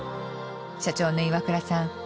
社長の岩倉さん